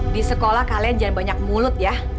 di sekolah kalian jangan banyak mulut ya